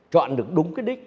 chọn được đúng cái đích